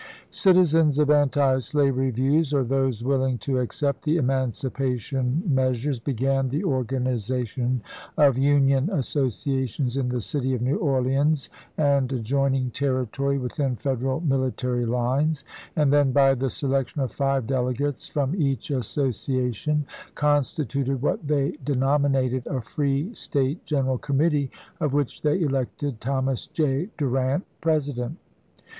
Citizens of anti slavery views, or those will ing to accept the emancipation measures, began the organization of Union associations in the city of New Orleans and adjoining territory within Federal military lines, and then, by the selection of five delegates from each association, constituted what they denominated a Free State Greneral Committee, of which they elected Thomas J. Durant president.